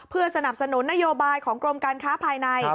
เพื่อสนับสนุนนโยบายของกรมการค้าภายใน